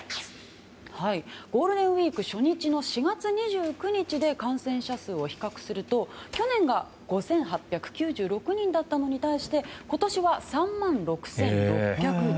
ゴールデンウィーク初日の４月２９日で感染者数を比較すると、去年が５８９６人だったのに対して今年は３万６６１９人。